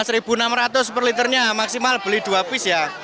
rp lima enam ratus per liternya maksimal beli dua pis ya